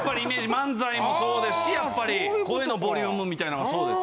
漫才もそうですしやっぱり声のボリュームみたいなんがそうです。